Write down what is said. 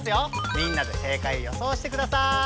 みんなで正解をよそうしてください！